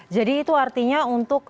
jadi itu artinya untuk